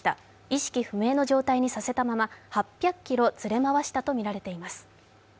意識不明の状態にさせたまま８００ｋｍつれ回したとみられます。